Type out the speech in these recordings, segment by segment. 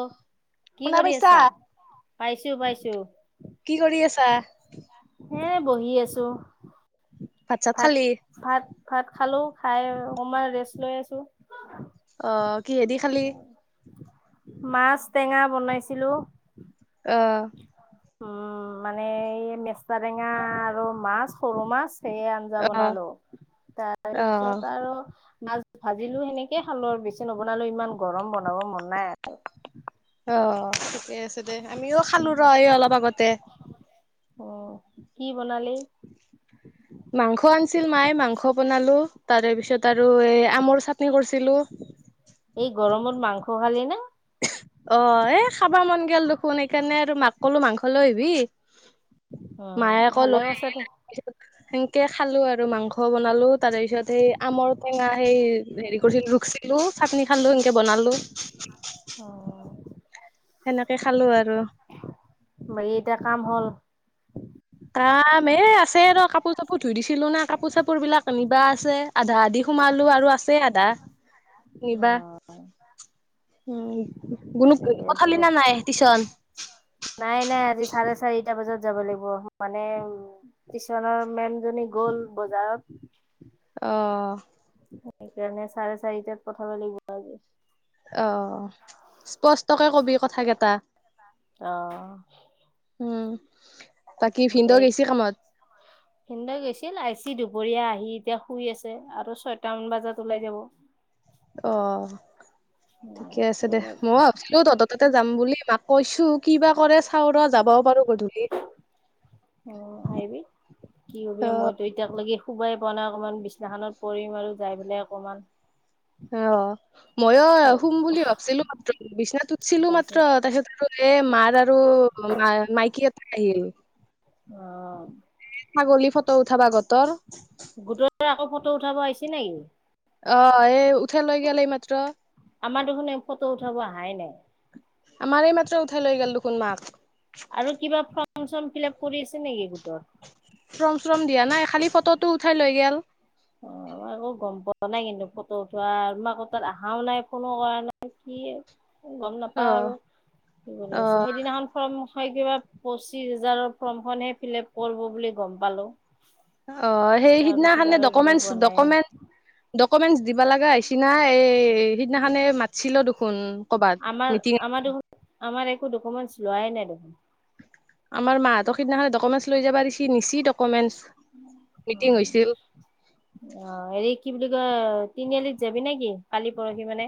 অ কি শুনা কৰি পাইছা? আছা? পাইছো। পাইছো। কি কৰি আছা? হে বহি আছো। চাত ভাত, খালি? ভাত, ভাত খালো খাই অকমান ৰেষ্ট লৈ আছো। অ কিহেদি খালি? মাছ টেঙা বনাইছিলো। অ উম মানে এই মেচা টেঙা আৰু মাছ, সৰু মাছ সয়া আঞ্জা অহ বনালো। অহ তাৰপিছত আৰু মাছ ভাজিলো সেনেকে খালো আৰু বেছি নবনালো ইমান গৰম বনাব মন নাই আৰু। অ ঠিকে আছে দে, আমিও খালো ৰ অলপ আগতে। আহ কি বনালি? মাংস আনিছিল মায়, মাংস বনালো তাৰে পিছত আৰু এ আমৰ চ এই গৰমত মাংস খালে নে? অ এ খাবা মন গল দেখোন, সেইকাৰণে আৰু মাক কলো মাংস লৈ আহিবি। মায়ে উম। আকৌ ভালে লৈ আছে দে। সেনকে খালো আৰু মাংস বনালো তাৰ পিছত সেই আমৰ টেঙা, সেই হেৰি কৰিছিলো ৰুখছিলো চাটনি খালালো সেনকে বনালো। অ সেনেকে খালো আৰু। বাকী এতিয়া কাম হ'ল? কাম এই আছে ৰ কাপোৰ-চাপোৰ ধুই দিছিলো না। কাপোৰ-চাপোৰ বিলাক এনিবা আছে আধা-আদি সোমালো আৰু আছে আধা নিবা। উম উম। গুনুক ঠিকে আছে পঠালি দে না নাই টিচন? নাই নাই আজি চাৰে চাৰিটা বজাত যাব লাগিব। মানে টিশনৰ মেম জনী গ'ল বজাৰত। অ সেইকাৰণে চাৰে চাৰিটাত পঠাব লাগিব আজি। অ স্পষ্টকে কবি কথা কেইটা। অ'। উম। বাকী ভিনদেউ দেে [unintelligible] ই গৈছি কামত পিন্দ গৈছিল আহ সি দুপৰীয়া আহি এতিয়া শুই আছে আৰু ছয়টামান বজাত ওলাই যাব। অ' ঠিকে আছে দে মই ভাবছিলো তহঁত তাতে যাম বুলি মাক কৈছো কিবা কৰে চাউ ৰ যাবও পাৰো গধূলি। অ' আহিবি কি কবি অ মইতো এতিয়াক লাগি খোবাই পোৱা নাই অকনমান বিছনাখনত পৰিম আৰু যাই পেলাই অকণমান অ' ময়ো শুম বুলি ভাবছিলো মাত্ৰ, বিচনাত উঠছিলো মাত্ৰ। তাৰপিছত আৰু এ মাৰ আৰু অ ম মাইকী আটা আহিল। অ ছাগলী ফটো উঠাবা গতৰ গোটৰ আকৌ ফটো উঠাব আইছে নেকি? অ এই উঠাই লৈ গেল এই মাত্ৰ আমাৰ দেখোন ফটো উঠাব আহাই নাই। আমাৰে মাত্ৰ উঠাই লৈ গ'ল দেখোন মাক। আৰু কিবা ফৰ্ম চৰ্ম ফিল আপ কৰি আছে নেকি গোটৰ? ৰ্ফম দিয়া নাই খালী ফটো উঠাই লৈ গল। অ' মই এক গম পোৱা নাই কিন্তু ফটো উঠোৱা আমাক তাত অহাও নাই ফোনো কৰা নাই। কি গম অ নাপাও আৰু কি কৰি অ আছো সেইদিনাখন ফম হয় কিবা পঁচিশ হাজাৰৰ ফৰ্মখননহে ফালে কৰিব বুলি গম পালো। অ সেই তাৰপিছত সিদিনাখানে আৰু গমেই পোৱা নাই ডকুমেন্টকুমেন্ট ডকুমেন্ট দিবা লগা নিচিনা এই সিদিনাখনেে মাতিছিল দেখোন। ক'বাত আমাৰ মিটিং আমাৰ দেখোন আমাৰ একো ডকুমেণ্ট লোৱাই নাই দেখোন। আমাৰাহঁত সদিনাখন ডকুেট লৈ যাবা দিচি নিচি ডকুমেট। অ' এই কি বুলি কয়? তিনিআলিত যাবি নে কি কালি পৰহি মানে?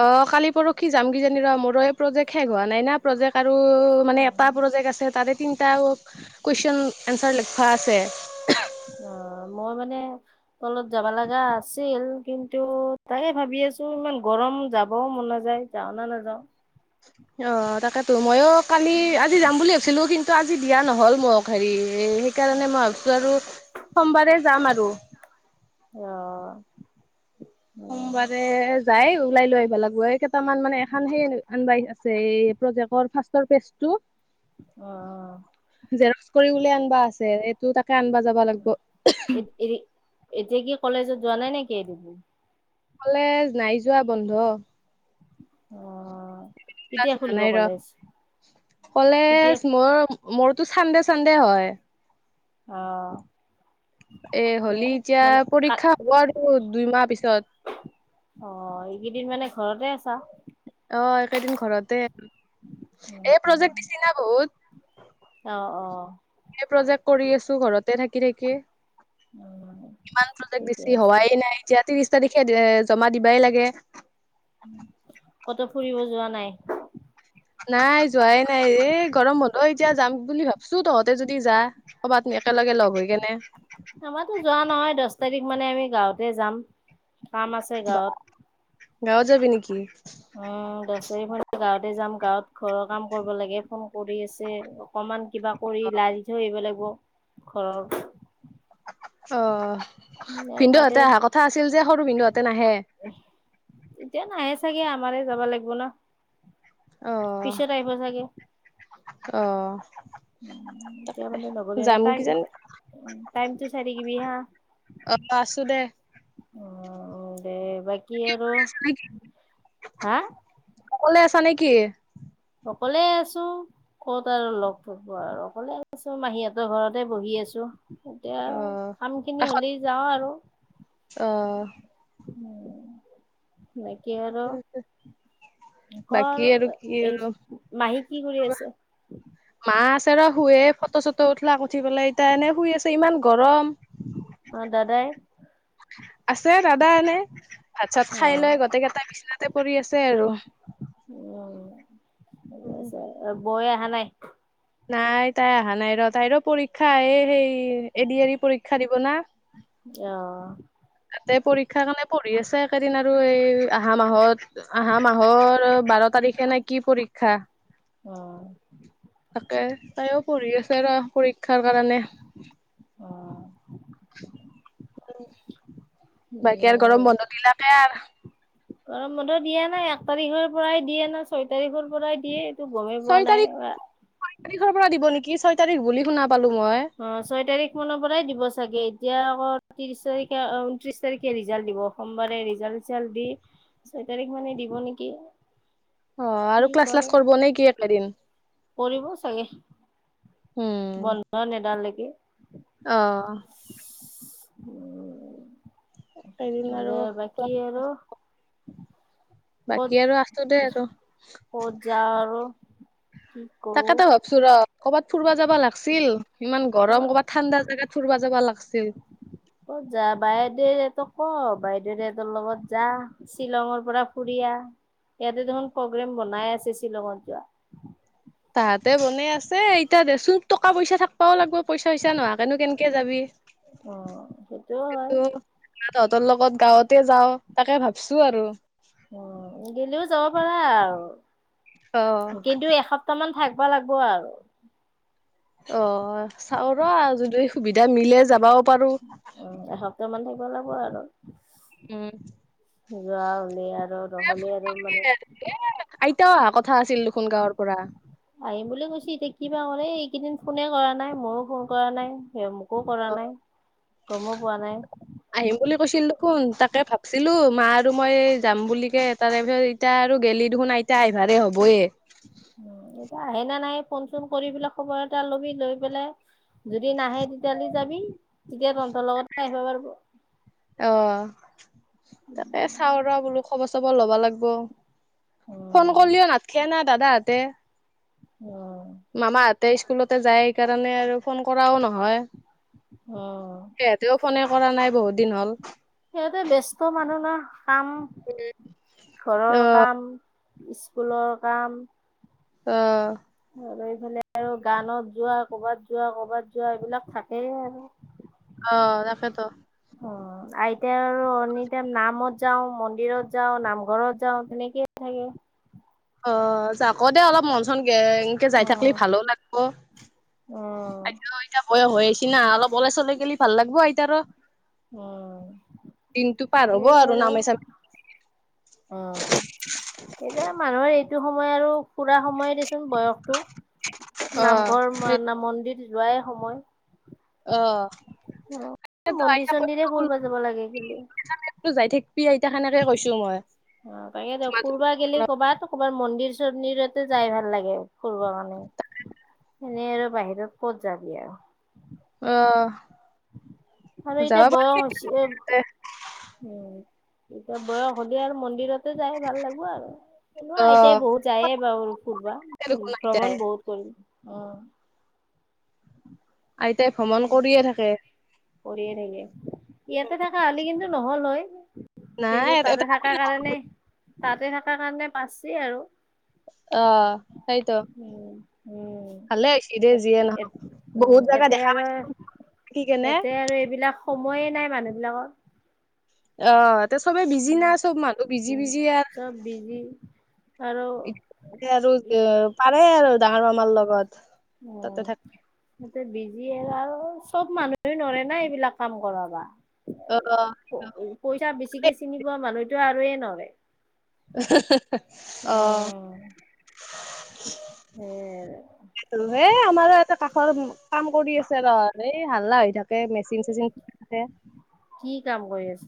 অ কালি পৰখি যাম কি জানি ৰ মোৰ এই প্ৰজেক্ট শেষ হোৱা নাই না প্ৰজেক্ট আৰু আৰু এটা প্ৰজেক্ট আছে তাতে তিনটা কোৱেচন আৰু এঞ্চাৰ লিখা আছে। অ' মই মানে তলত যাব লগা আছিল। কিন্তু তাকে ভাবি আছো। ছো ইমান গৰম যাবও মন নাযায়। যাও নে নাযাওঁ অ' তাকেটো মযইও কালি আজি যাম বুলি ভাবিছিলো কিন্তু আজি দিয়া নহ'ল মোক হেৰি সেইকাৰণে মই ভাবিছো আৰু সোমবাৰে যাম আৰু। অ'। উম সোমবাৰে যাই ওলাই লৈ আহিব লাগিব। এই কেইটাম মান মানে এখন সেই আনবাই - এই প্ৰজেক্টৰ ফাৰ্ষৰ পেজ টো অ' জেৰস্ক কৰি উলিয়াই আনিবা আছে। এইটো তাক এৰি এতিয়া কি কলেজত যোৱা নাই নেকি? এৰিবোৰ কলেজ নাই যোৱা বন্ধ। অ' ক্ল্যাচ কেতিয়া হোৱা খুলিব নাই ৰ কলেজ কেতিয়া কলেজ মোৰ মোৰটো চানডে চানডে হয়। অ'। এ তে হ'লি এতিয়া মানে কাত পৰীক্ষা হ'ব আৰু দুইমাহ পিছত? অ' এইকেইদিন মানে ঘৰতে আছা। অ' একেইদিন ঘৰতে। এই প্ৰজেক্ট দিছি না বহুত অ' অ' এই প্ৰজেক্ট কৰি আছো ঘৰতে থাকি থাকি। উম, ইমান চাগে ঠিকে বেছি আছে হোৱাই নাই, যোৱাটো বিছ তাৰিখ। সেই দিনাই জমা দিবাই লাগে। ক'তো ফুৰিব যোৱা নাই। নাই যোৱাই নাই গৰম বন্ধ এতিয়া যাম বুলি ভাবছো তহতে যদি যা কবাত ন একেলগে লগ হৈ কেনে। আমাৰো যোৱা নহয় দহ তাৰিখ মানে আমি গাঁওতে যাম। কাম আছে গাঁৱত গাঁও যাবি নেকি? উম, দচ তাৰিখ কাৰণে গাঁওতে যাম, গাঁওত ঘৰৰ কাম কৰিব লাগে ফোন কৰি আছে। অকমান কিবা কৰি লাজি ধৈ আহিব লাগিব ঘৰৰ। অ' এই তাতে ভিনদেউহঁতে অহা কথা আছিল যে সৰু ভিনদেউহঁতে নাহে। এতিয়া নাহে চাগে আমাৰে যাব লাগ হ'বনা অ পিছত আহিব চাগে? অ'। উম [unintelligible] এতিয়া মানে নগ লেও। যাম কিজানি টাইমটো চাই থাকিবি হা আছোদে। অ' দে বাকি আৰু হা। ক'বলৈ আছা নেকি। অকলে আছো ক'ত আৰু লগ থব আৰু অকলে আছো। মাহীহঁতৰ ঘৰতে বহি আছো। এতিয়া অ কাম খিনি কাষত হ'লে যাওঁ আৰু। অ বাকী আৰু ক বাকী আৰু আ কি এই আৰু মাহী কি কৰি আছে। তেৰা শুৱে ফটো চটো উঠলাক উঠি পেলাই এতিয়া এনে শুই আছে ইমান গৰম। অ' দাদাই। আছে, দাদা। এনে ভাত চাত অ খাই লৈ গোটেই কেইটা বিছনাতে পৰি আছে আৰু উম, ঠিক উম। আছে। বৈয়ে অহা নাই। নাই তাই অহা নাই ৰ তাইৰো পৰীক্ষা আহে সেই এদি এৰি পৰীক্ষা দিব না, অ তাতে পৰীক্ষা কাৰণে আছে একেদিন আৰু এই আহহা মাহত আহা মাহৰ বাৰ তাৰিখে নে কি পৰীক্ষা। কাৰ অ' তাকে তাইও পঢ়ি আছে ৰ পৰীক্ষাৰ কাৰণে। [unintelligible] বাকী আৰু গৰম বন্ধ দিলাকে আৰু গৰম বন্ধ দিয়া নাই এক তাৰিখৰ পৰাই দিয়ে নাই ছয় তাৰিখৰ পৰাই দিয়ে। গমেই পোৱা ছয় নাই তাৰিখ অ ছয় তাৰিখৰ পৰা দিব নেকি। ছয় তাৰিখ বুলি শুনা পালো মই অ' ছয় তাৰিখ মানৰ পৰাই দিব চাগে। এতিয়া আকৌ ত্ৰিশ তাৰিখে ঊনত্ৰিশ তাৰিখে ৰিজাল্ট দিব, সোমবাৰে ৰিজাল্ট চিজাল্ট দি। ছয় তাৰিখ মানে দিব নেকি? অ' কি আৰু ক্লাছ চলাছ কৰে কৰব নেকি এইকেইদিন। কৰিব চাগে। উম বন্ধ নেদাল নেকি। অ এদিন আৰু বাকী আৰু ক'ত বাকী আৰু আছো দে। ক'ত যাওঁ আৰু কি কৰো তাকেটো ভাবছো ৰ কবাত ফুৰিব যাবা লগছিল। ইমান ক'বা গৰম কবাত ঠাণ্ডা জেগাত ফুৰব যাবা লাগছিল। ক'ত যাবা দে এইটো ক গিৰিয়েৰটো লগত যাৰ, শ্বিলং পৰা ফুৰি আহ। ইয়াতে দেখোন প্ৰগ্ৰেম বনাই আছে, শ্বিলংত যোৱা। তাহাঁতে বনাই আছে। এতিয়া দেচোন টকা পইচা থাকবাও লাগব পইচা চইচা নোহোৱাকেনো কেনেকে যাবি। উম সেইটোও হয় যিহেতু তহতৰ লগত গাওঁতে যাওঁ তাকে ভাবছো। তো আৰু উম, গেলাও যাব পাৰা অ আৰু কিন্তু এসপ্তাহ মান থাক কবা লাগব আৰু অ চাও ৰ যদি সুবিধা মিলে যাবাওঁ উম এসপ্তাহ মান থাকিব লাগিব আৰু উম যোৱা হলে আৰু ৰবলে আৰু মানে আইতা অহা কথা আছিল দেখোন গাঁৱৰ পৰা। আহিম বুলি কৈছে এতিয়া কিবা কৰে এইকেইদিন ফোনে কৰা নাই মইয়ো ফোন কৰা নাই সেই মোক একো কৰা নাই। গমো পোৱা নাই। চোন তাকে ভাবছিলো মা আৰু মই যাম বুলিকে তাৰে পিছত এতিয়া আৰু গেলি দেখোন আইতা আহিবা। সাৰে হ'বয়ে উম এতিয়া আহে নে নাহে ফোন চোন কৰি পেলাই খবৰ এটা লবি লৈ পেলাই যদি নাহে। তেতিয়াহলি যাবি তেতিয়া তহঁতৰ লগতে আহিব পাৰব। অ' তাকে চাওঁ ৰহ বোলো খবৰ চবৰ লবা লাগব। ফোন কৰিলেও নাথখে না দাদাহঁতে। উম, মামাহঁতে স্কুলতে যায় সেইকাৰণে আৰু ফোন কৰাও নহয়। উম। সিহঁতেও ফোনে কৰা নাই বহুত দিন হ'ল। সিহঁতে ব্যস্ত মানুহ না। কাম অ ঘৰৰ কাম, স্কুলৰ কাম অ। আৰু এইফালে আৰু গানত যোৱা কবাত যোৱা কবাত যোৱা এইবিলাক থাকে আৰু। অহ তাকে ত। উম আইতা আৰু এনিটাইম নামত যাওঁ, মন্দিৰত যাওঁ, নামঘৰত যাওঁ তেনেকেই থা থাকে। অ যাক দে অলপ মন চন গে এনকে যাই থাকলি উম, ভালো লাগব। উম, আইতা এতিয়া বয়স হৈ আহিছি না অলপ ওলাই চলই গেলি ভাল লাগব আইতাৰ। উম পাৰ হব সেয়ে আৰু আৰ। নামে চামে অ এতিয়া মানুহৰ এইট টো সময় আৰু ফুৰা সময়ে দেচোন বয়সটো অ', সেই নামঘৰ না মন্দিৰ যোৱাই সময়। অ। অ সেইটো মন্দিৰ আইতা চন্দিৰে ফুৰবা পক্ষটো যাব লাগে গেলে। পি আইতাক এনেকে কৈছো মই। অ তাকে দিয়ক ফুৰবা গেলি ক'বাত ক'বাৰ মন্দিৰ চন্দিৰতে যাই ভাল লাগে ফুৰবা কাৰণে। এনেই আৰু বাহিৰত ক'ত যাবি আও। অহ। আৰু এতিয়া বয়স হৈছে এ উম, এতিয়া বয়স হ'লে আৰু মন্দিৰতে যাই ভাল লাগিব আৰু এনেও আইতাই অ', বহুত যায় বাৰু ফুৰবা দেখোন আইতাই, ভ্ৰমণ বহুত কৰিম অ' আইতাই ভ্ৰমণ কৰিয়ে থাকে। কৰিয়ে থাকে। ইয়াতে থকা আমি কিন্তু নহ'ল হয়। নাই কিন্তু, তাতে এটা থাকা কাৰণে, তাতে থাকাৰ কাৰণে পাৰছে আৰু অ' সেইটো উম, উম। ভালে হৈছে যিয়ে নহওঁক, বহুত জেগাত ইতে আৰু ইয়াতে আৰু এইবিলাক সময়ে নাই মানুহ বিলাকৰ অ' ইয়াতে চবে বিজি উম, নাই চ'ব মানুহ বিজি উম। বিজি আৰু চব বিজি আৰু এতিয়া আৰু পাৰে আৰু ডাঙৰ মামাৰ লগত তাতে অ' থাক গোটেই বি যিয়ে আৰু চ'ব মানুহে নোৱাৰে না এইবিলাক কাম কৰাবা। অ', পইচা বেছিকে চিনি পোৱা মানুহটো আৰুই নৰয়। অ' [unintelligible] হেইল হেই, আমাৰো এটা কাষৰ কাম কৰি আছে ৰহ, এই হাল্লা হৈ থাকে। কে মেচিন চেচিন [unintelligible] কি কাম কৰি আছ?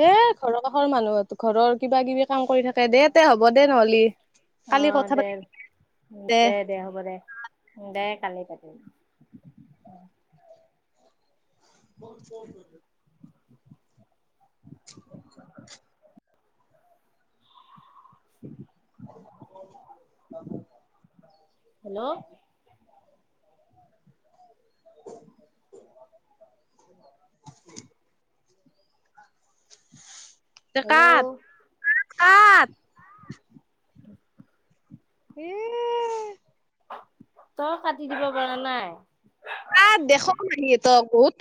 হে ঘৰৰ কাষৰ মানুহ ঘৰৰ কিবা কিবি কাম কৰি থাকে। দে তে হ'ব দে নহ'লে। অ', দে। দে, দে, হ'ব, দে, দে। [unintelligible] ক'ত ফোন কৰিলে [unintelligible] হেল্ল' [unintelligible] [inaudible] হেল্ল' কাত, কাত। এ। তই কাটি দিব পৰা নাই? ত বুত